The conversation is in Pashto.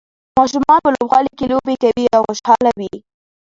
ماشومان په لوبغالي کې لوبې کوي او خوشحاله وي.